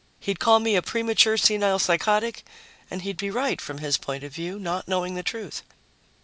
He'd call me a premature senile psychotic and he'd be right, from his point of view, not knowing the truth.